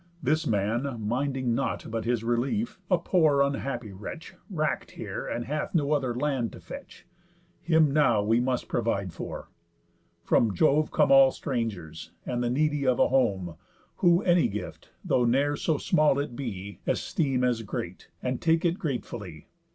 This man, minding nought But his relief, a poor unhappy wretch, Wrack'd here, and hath no other land to fetch, Him now we must provide for. From Jove come All strangers, and the needy of a home, Who any gift, though ne'er so small it be, Esteem as great, and take it gratefully.